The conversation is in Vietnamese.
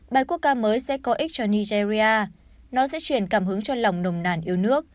bài quốc ca mới sẽ có ích cho nigeria nó sẽ chuyển cảm hứng cho lòng nồng nàn yêu nước